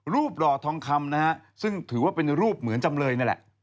หล่อทองคำนะฮะซึ่งถือว่าเป็นรูปเหมือนจำเลยนั่นแหละ